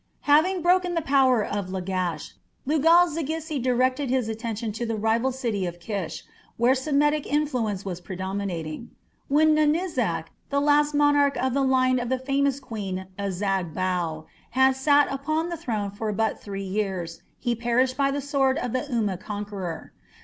Having broken the power of Lagash, Lugal zaggisi directed his attention to the rival city of Kish, where Semitic influence was predominating. When Nanizak, the last monarch of the line of the famous Queen Azag Bau, had sat upon the throne for but three years, he perished by the sword of the Umma conqueror.